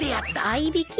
合いびき？